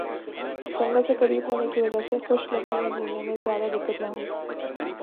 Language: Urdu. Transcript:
جنگل سے قریب ہونے کی وجہ سے خشک لکڑیاں ڈھونڈنے میں زیادہ دقت نہ ہوئی